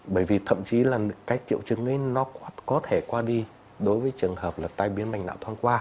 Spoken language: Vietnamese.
bởi vì thậm chí là cái triệu chứng nó có thể qua đi đối với trường hợp là tai biến bệnh não thông qua